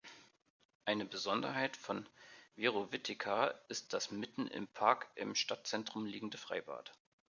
Eine Besonderheit von Virovitica ist das mitten im Park im Stadtzentrum liegende Freibad.